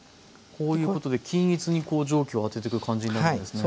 こういうことで均一に蒸気を当ててく感じになるんですね。